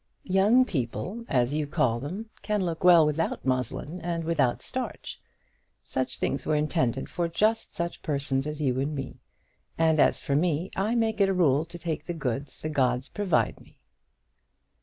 "Young people, as you call them, can look well without muslin and without starch. Such things were intended for just such persons as you and me; and as for me, I make it a rule to take the goods the gods provide me."